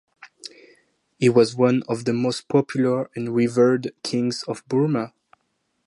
He was one of the most popular and revered kings of Burma.